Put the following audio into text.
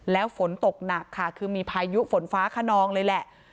แล้วฝนตกหนักค่ะคือมีพายุฝนฟ้าขนองเลยแหละ